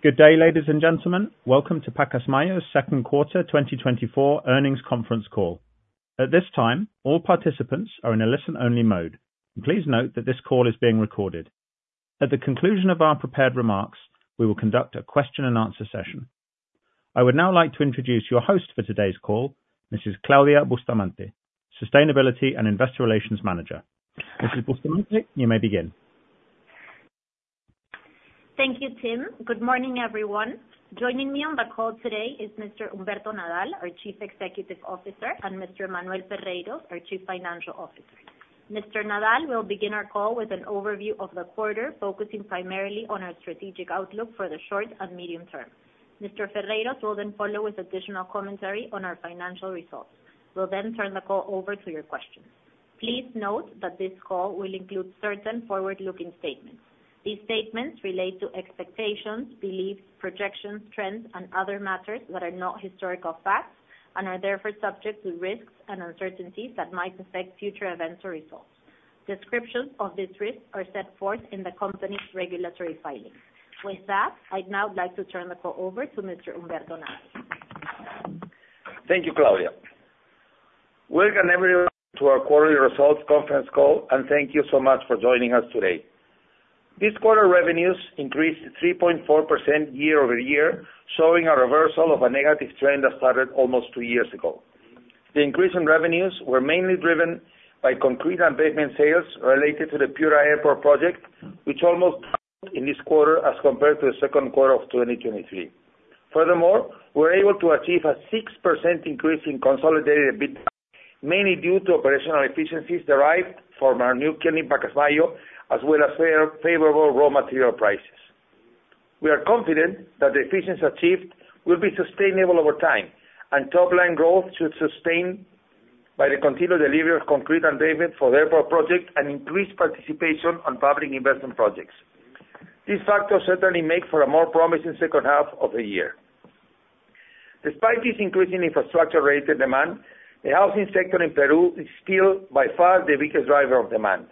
Good day, ladies and gentlemen. Welcome to Pacasmayo's second quarter 2024 earnings conference call. At this time, all participants are in a listen-only mode. Please note that this call is being recorded. At the conclusion of our prepared remarks, we will conduct a question-and-answer session. I would now like to introduce your host for today's call, Mrs. Claudia Bustamante, Sustainability and Investor Relations Manager. Mrs. Bustamante, you may begin. Thank you, Tim. Good morning, everyone. Joining me on the call today is Mr. Humberto Nadal, our Chief Executive Officer, and Mr. Manuel Ferreyros, our Chief Financial Officer. Mr. Nadal will begin our call with an overview of the quarter, focusing primarily on our strategic outlook for the short and medium term. Mr. Ferreyros will then follow with additional commentary on our financial results. We'll then turn the call over to your questions. Please note that this call will include certain forward-looking statements. These statements relate to expectations, beliefs, projections, trends, and other matters that are not historical facts and are therefore subject to risks and uncertainties that might affect future events or results. Descriptions of these risks are set forth in the company's regulatory filings. With that, I'd now like to turn the call over to Mr. Humberto Nadal. Thank you, Claudia. Welcome, everyone, to our quarterly results conference call, and thank you so much for joining us today. This quarter, revenues increased 3.4% year-over-year, showing a reversal of a negative trend that started almost two years ago. The increase in revenues were mainly driven by concrete and pavement sales related to the Piura Airport project, which almost in this quarter as compared to the second quarter of 2023. Furthermore, we're able to achieve a 6% increase in consolidated EBITDA, mainly due to operational efficiencies derived from our new Pacasmayo, as well as favorable raw material prices. We are confident that the efficiency achieved will be sustainable over time, and top-line growth should sustain by the continued delivery of concrete and pavement for airport project and increased participation on public investment projects. These factors certainly make for a more promising second half of the year. Despite this increasing infrastructure-related demand, the housing sector in Peru is still by far the biggest driver of demand.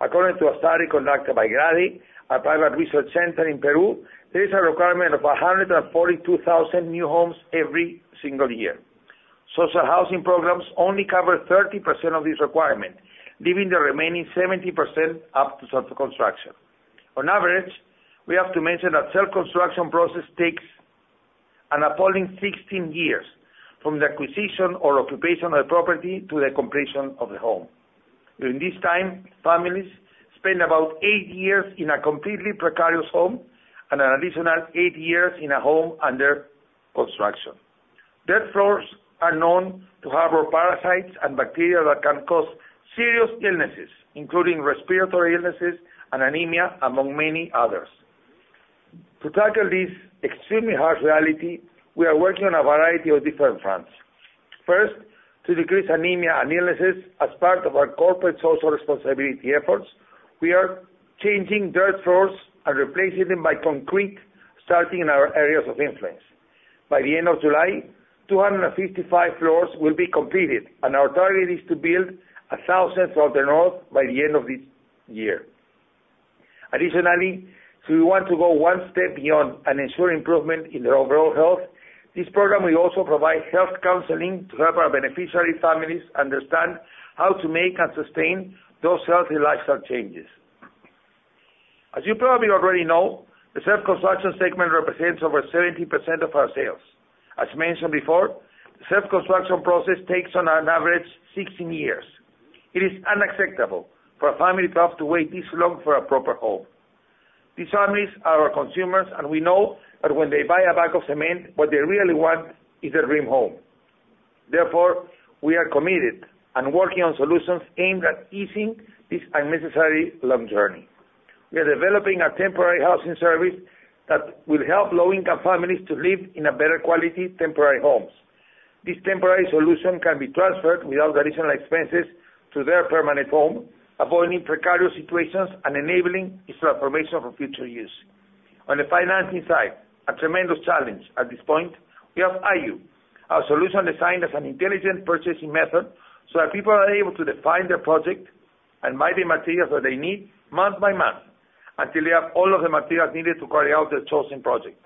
According to a study conducted by GRADE, a private research center in Peru, there is a requirement of 142,000 new homes every single year. Social housing programs only cover 30% of this requirement, leaving the remaining 70% up to self-construction. On average, we have to mention that self-construction process takes an appalling 16 years from the acquisition or occupation of the property to the completion of the home. During this time, families spend about eight years in a completely precarious home and an additional eight years in a home under construction. Dirt floors are known to harbor parasites and bacteria that can cause serious illnesses, including respiratory illnesses and anemia, among many others. To tackle this extremely hard reality, we are working on a variety of different fronts. First, to decrease anemia and illnesses as part of our corporate social responsibility efforts, we are changing dirt floors and replacing them by concrete, starting in our areas of influence. By the end of July, 255 floors will be completed, and our target is to build 1,000 floors by the end of this year. Additionally, so we want to go one step beyond and ensure improvement in their overall health. This program will also provide health counseling to help our beneficiary families understand how to make and sustain those healthy lifestyle changes. As you probably already know, the self-construction segment represents over 70% of our sales. As mentioned before, the self-construction process takes on an average 16 years. It is unacceptable for a family to have to wait this long for a proper home. These families are our consumers, and we know that when they buy a bag of cement, what they really want is a dream home. Therefore, we are committed and working on solutions aimed at easing this unnecessary long journey. We are developing a temporary housing service that will help low-income families to live in a better quality temporary homes. This temporary solution can be transferred without additional expenses to their permanent home, avoiding precarious situations and enabling its transformation for future use. On the financing side, a tremendous challenge at this point, we have IU, our solution designed as an intelligent purchasing method, so that people are able to define their project and buy the materials that they need month by month, until they have all of the materials needed to carry out their chosen project.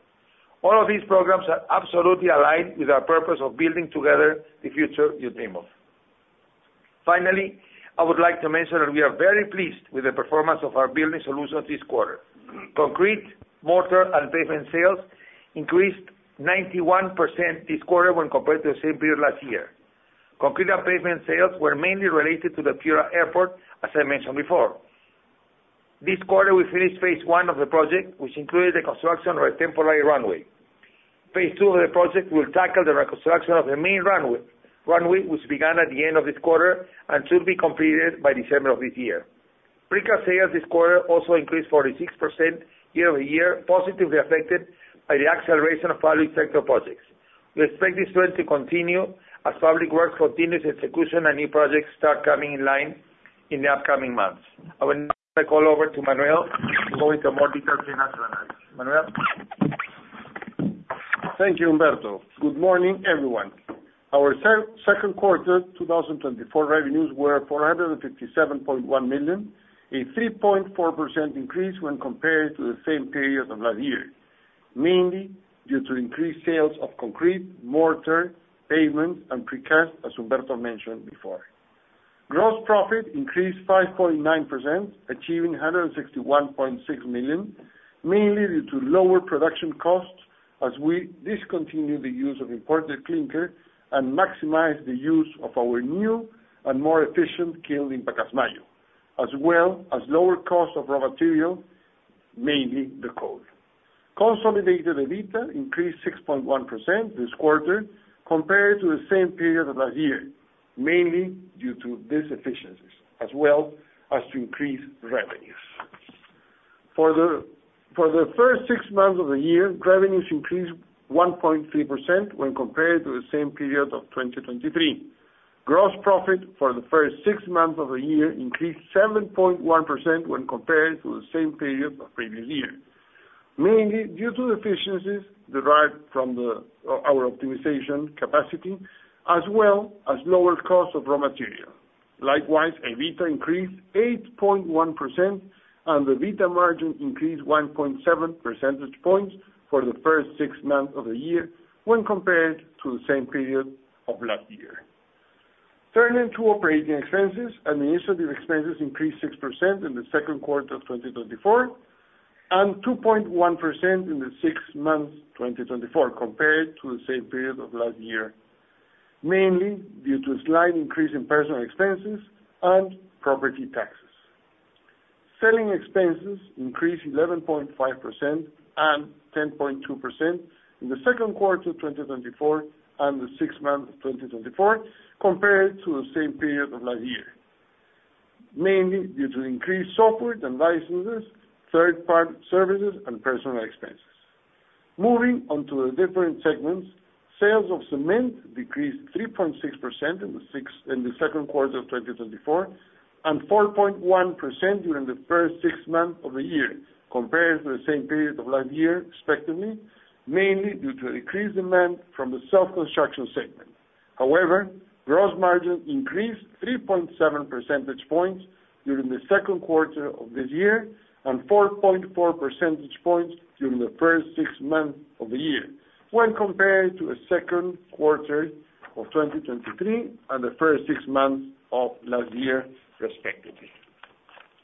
All of these programs are absolutely aligned with our purpose of building together the future you dream of. Finally, I would like to mention that we are very pleased with the performance of our building solutions this quarter. Concrete, mortar, and pavement sales increased 91% this quarter when compared to the same period last year. Concrete and pavement sales were mainly related to the Piura Airport, as I mentioned before. This quarter, we finished phase one of the project, which included the construction of a temporary runway. Phase two of the project will tackle the reconstruction of the main runway, which began at the end of this quarter and should be completed by December of this year. Precast sales this quarter also increased 46% year-over-year, positively affected by the acceleration of public sector projects. We expect this trend to continue as public work continues execution and new projects start coming in line in the upcoming months. I will now turn the call over to Manuel to go into more detail in our analysis. Manuel?... Thank you, Humberto. Good morning, everyone. Our second quarter 2024 revenues were $457.1 million, a 3.4% increase when compared to the same period of last year, mainly due to increased sales of concrete, mortar, pavement and precast, as Humberto mentioned before. Gross profit increased 5.9%, achieving $161.6 million, mainly due to lower production costs as we discontinued the use of imported clinker and maximize the use of our new and more efficient kiln in Pacasmayo, as well as lower cost of raw material, mainly the coal. Consolidated EBITDA increased 6.1% this quarter compared to the same period of last year, mainly due to these efficiencies, as well as to increase revenues. For the first six months of the year, revenues increased 1.3% when compared to the same period of 2023. Gross profit for the first six months of the year increased 7.1% when compared to the same period of previous year, mainly due to efficiencies derived from our optimization capacity, as well as lower cost of raw material. Likewise, EBITDA increased 8.1%, and the EBITDA margin increased 1.7 percentage points for the first six months of the year when compared to the same period of last year. Turning to operating expenses, administrative expenses increased 6% in the second quarter of 2024, and 2.1% in the six months 2024, compared to the same period of last year, mainly due to a slight increase in personnel expenses and property taxes. Selling expenses increased 11.5% and 10.2% in the second quarter of 2024 and the six months of 2024, compared to the same period of last year, mainly due to increased software and licenses, third-party services and personnel expenses. Moving on to the different segments, sales of cement decreased 3.6% in the second quarter of 2024, and 4.1% during the first six months of the year compared to the same period of last year, respectively, mainly due to a decreased demand from the self-construction segment. However, gross margin increased 3.7 percentage points during the second quarter of this year, and 4.4 percentage points during the first six months of the year when compared to the second quarter of 2023 and the first six months of last year, respectively.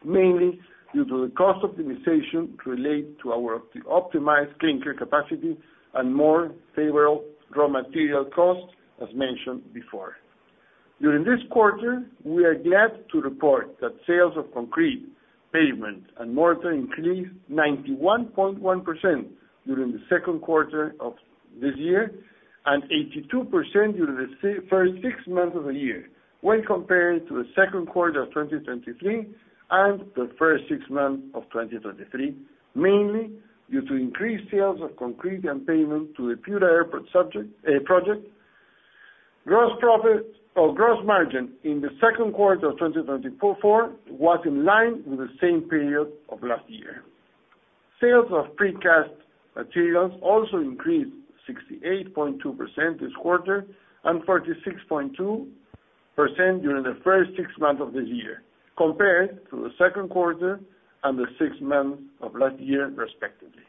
Mainly due to the cost optimization relate to our optimized clinker capacity and more favorable raw material costs, as mentioned before. During this quarter, we are glad to report that sales of concrete, pavement and mortar increased 91.1% during the second quarter of this year, and 82% during the first six months of the year when compared to the second quarter of 2023 and the first six months of 2023, mainly due to increased sales of concrete and pavement to the Piura Airport project. Gross profit or gross margin in the second quarter of 2024 was in line with the same period of last year. Sales of precast materials also increased 68.2% this quarter and 46.2% during the first six months of this year, compared to the second quarter and the six months of last year, respectively.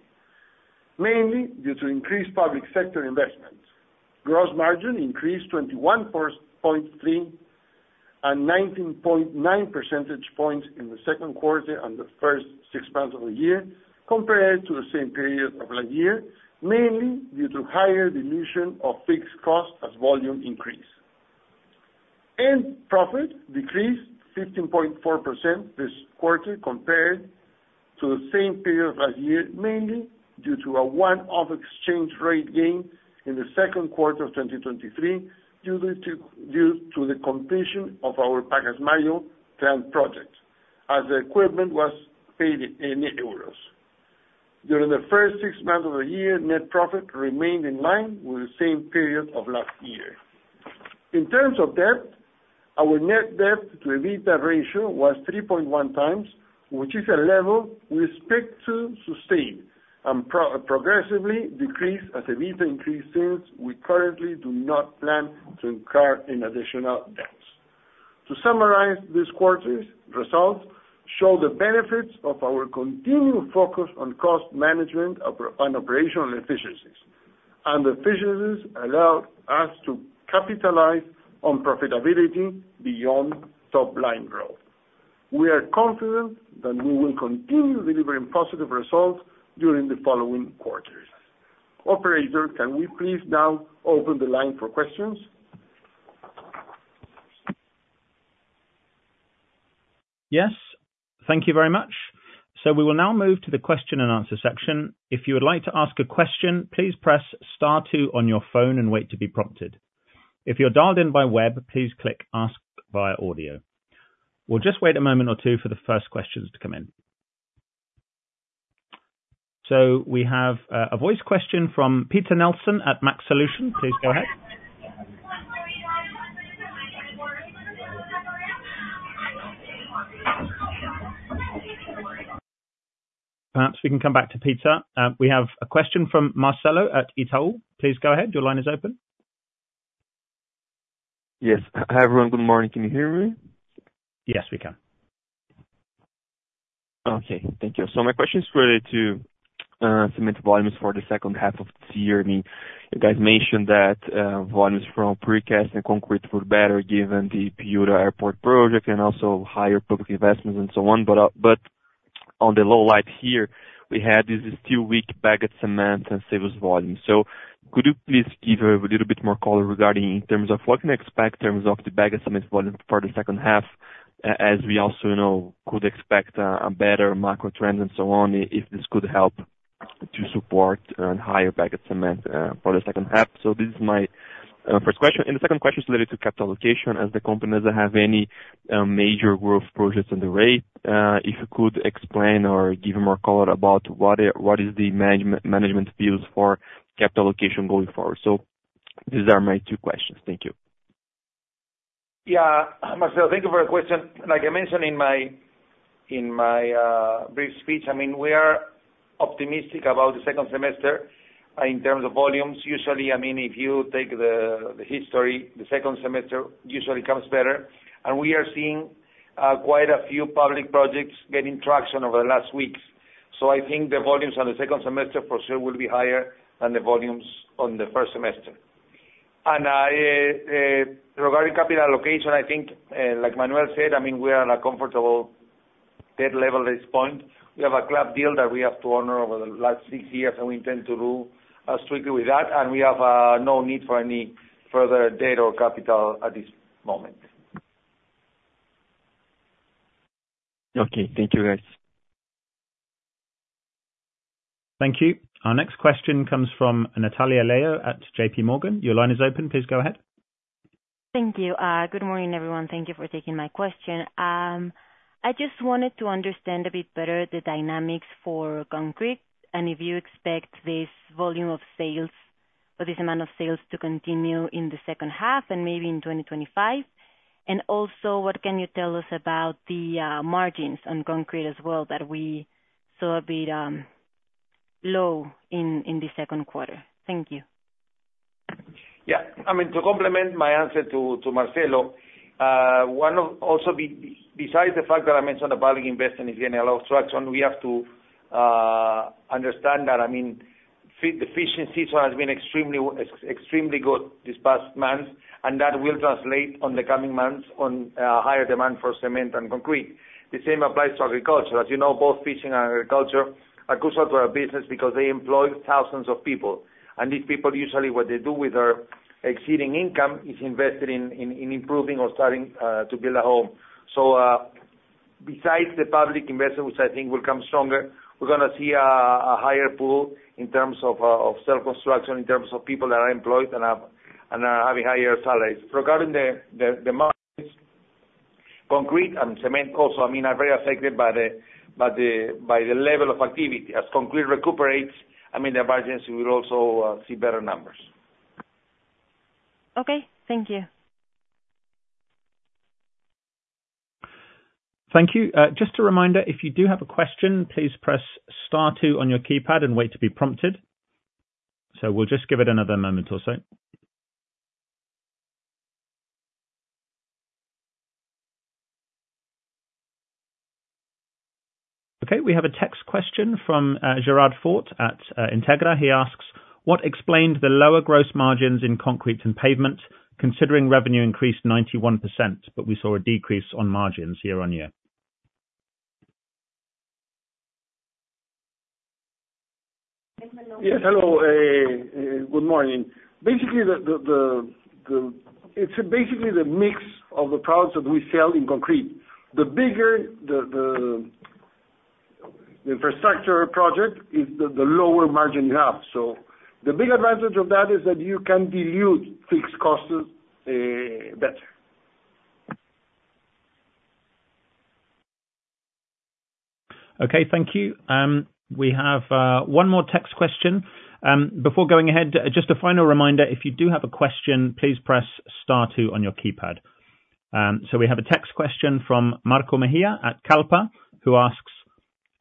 Mainly due to increased public sector investments. Gross margin increased 21.3 and 19.9 percentage points in the second quarter and the first six months of the year compared to the same period of last year, mainly due to higher dilution of fixed costs as volume increased. Profit decreased 15.4% this quarter compared to the same period last year, mainly due to a one-off exchange rate gain in the second quarter of 2023, due to the completion of our Pacasmayo plant project as the equipment was paid in euros. During the first six months of the year, net profit remained in line with the same period of last year. In terms of debt, our net debt to EBITDA ratio was 3.1x, which is a level we expect to sustain and progressively decrease as EBITDA increases since we currently do not plan to incur any additional debts. To summarize, this quarter's results show the benefits of our continued focus on cost management, operational efficiencies, and efficiencies allow us to capitalize on profitability beyond top line growth. We are confident that we will continue delivering positive results during the following quarters. Operator, can we please now open the line for questions? Yes, thank you very much. So we will now move to the question and answer section. If you would like to ask a question, please press star two on your phone and wait to be prompted. If you're dialed in by web, please click ask via audio. We'll just wait a moment or two for the first questions to come in. So we have a voice question from Peter Nelson at Mac Solutions. Please go ahead.... Perhaps we can come back to Peter. We have a question from Marcelo Sá at Itaú. Please go ahead. Your line is open. Yes. Hi, everyone. Good morning. Can you hear me? Yes, we can. Okay. Thank you. So my question is related to cement volumes for the second half of this year. I mean, you guys mentioned that volumes from precast and concrete were better, given the Piura Airport project and also higher public investments, and so on. But on the lowlight here, we had this still weak bagged cement sales volume. So could you please give a little bit more color regarding what we can expect in terms of the bagged cement volume for the second half, as we also know we could expect a better macro trend and so on, if this could help to support higher bagged cement for the second half? So this is my first question. And the second question is related to capital allocation. As the company doesn't have any major growth projects on the radar, if you could explain or give more color about what is the management's views for capital allocation going forward? So these are my two questions. Thank you. Yeah, Marcelo, thank you for your question. Like I mentioned in my brief speech, I mean, we are optimistic about the second semester. In terms of volumes, usually, I mean, if you take the history, the second semester usually comes better, and we are seeing quite a few public projects getting traction over the last weeks. So I think the volumes on the second semester, for sure, will be higher than the volumes on the first semester. And I, regarding capital allocation, I think, like Manuel said, I mean, we are in a comfortable debt level at this point. We have a club deal that we have to honor over the last six years, and we intend to do strictly with that, and we have no need for any further debt or capital at this moment. Okay. Thank you, guys. Thank you. Our next question comes from Natalia Leo at JPMorgan. Your line is open. Please go ahead. Thank you. Good morning, everyone. Thank you for taking my question. I just wanted to understand a bit better the dynamics for concrete, and if you expect this volume of sales or this amount of sales to continue in the second half and maybe in 2025. Also, what can you tell us about the margins on concrete as well, that we saw a bit low in the second quarter? Thank you. Yeah. I mean, to complement my answer to Marcelo, also, besides the fact that I mentioned the public investment is getting a lot of traction, we have to understand that, I mean, the fishing season has been extremely good this past month, and that will translate in the coming months into higher demand for cement and concrete. The same applies to agriculture. As you know, both fishing and agriculture are crucial to our business because they employ thousands of people, and these people usually what they do with their excess income is invest it in improving or starting to build a home. So, besides the public investment, which I think will come stronger, we're gonna see a higher pool in terms of self-construction, in terms of people that are employed and are having higher salaries. Regarding the margins, concrete and cement also, I mean, are very affected by the level of activity. As concrete recuperates, I mean, the margins will also see better numbers. Okay. Thank you. Thank you. Just a reminder, if you do have a question, please press star two on your keypad and wait to be prompted. So we'll just give it another moment or so. Okay, we have a text question from, Gerard Fort at, Integra. He asks: What explained the lower gross margins in concrete and pavement, considering revenue increased 91%, but we saw a decrease on margins year-on-year? Yes, hello. Good morning. Basically, it's basically the mix of the products that we sell in concrete. The bigger the infrastructure project is, the lower margin you have. So the big advantage of that is that you can dilute fixed costs better. Okay, thank you. We have one more text question. Before going ahead, just a final reminder, if you do have a question, please press star two on your keypad. So we have a text question from Marco Mejia at Kallpa, who asks: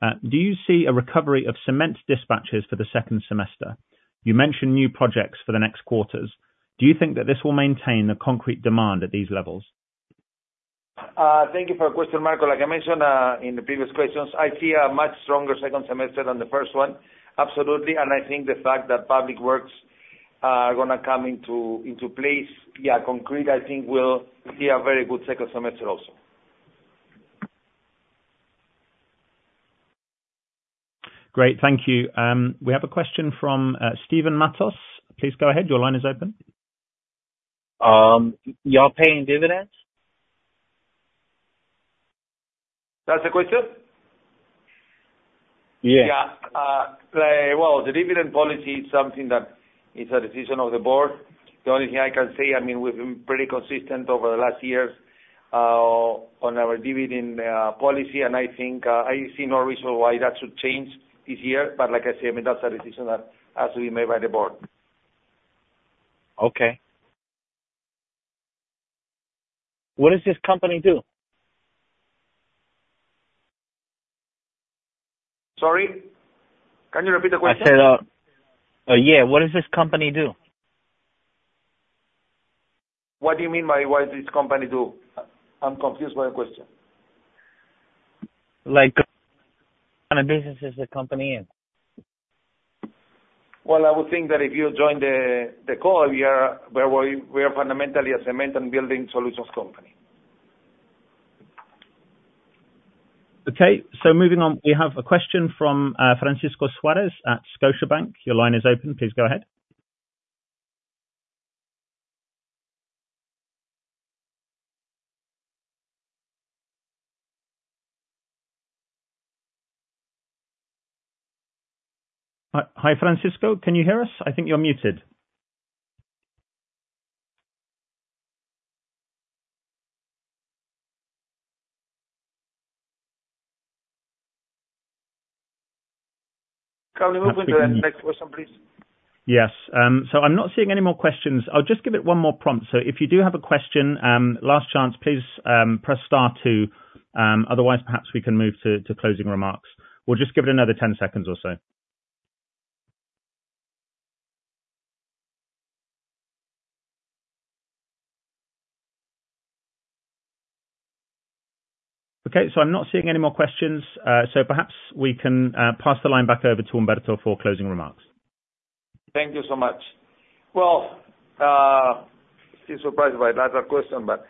Do you see a recovery of cement dispatches for the second semester? You mentioned new projects for the next quarters. Do you think that this will maintain the concrete demand at these levels? Thank you for your question, Marco. Like I mentioned, in the previous questions, I see a much stronger second semester than the first one, absolutely, and I think the fact that public works are gonna come into, into place, yeah, concrete, I think, will see a very good second semester also. Great. Thank you. We have a question from Steven Matos. Please go ahead. Your line is open. You are paying dividends? That's the question? Yeah. Yeah. Well, the dividend policy is something that is a decision of the board. The only thing I can say, I mean, we've been pretty consistent over the last years on our dividend policy, and I think I see no reason why that should change this year. But like I said, that's a decision that has to be made by the board. Okay... What does this company do? Sorry, can you repeat the question? I said, yeah, what does this company do? What do you mean by what does this company do? I'm confused by your question. Like, what kind of business is the company in? Well, I would think that if you joined the call, we are fundamentally a cement and building solutions company. Okay, so moving on, we have a question from Francisco Suarez at Scotiabank. Your line is open. Please go ahead. Hi, hi, Francisco, can you hear us? I think you're muted. Can we move to the next question, please? Yes. So I'm not seeing any more questions. I'll just give it one more prompt. So if you do have a question, last chance, please, press star two, otherwise perhaps we can move to closing remarks. We'll just give it another 10 seconds or so. Okay, so I'm not seeing any more questions. So perhaps we can pass the line back over to Humberto for closing remarks. Thank you so much. Well, still surprised by that last question, but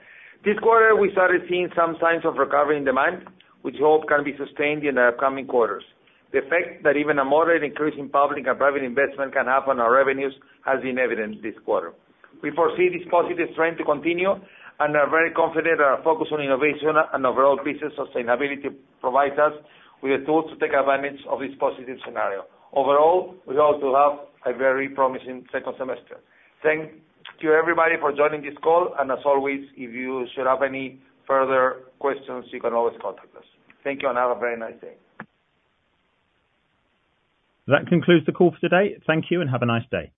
this quarter we started seeing some signs of recovery in demand, which all can be sustained in the upcoming quarters. The effect that even a moderate increase in public and private investment can have on our revenues has been evident this quarter. We foresee this positive trend to continue, and are very confident that our focus on innovation and overall business sustainability provides us with the tools to take advantage of this positive scenario. Overall, we also have a very promising second semester. Thank you to everybody for joining this call, and as always, if you should have any further questions, you can always contact us. Thank you, and have a very nice day. That concludes the call for today. Thank you, and have a nice day.